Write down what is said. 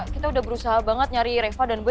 kita udah berusaha banget nyari reva dan bu